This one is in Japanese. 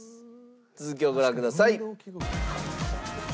続きをご覧ください。